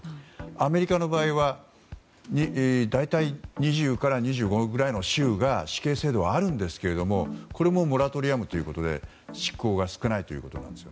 アメリカの場合は大体２０から２５ぐらいの州が死刑制度はあるんですけどもこれもモラトリアムということで執行が少ないということです。